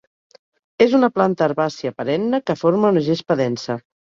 És una planta herbàcia perenne que forma una gespa densa.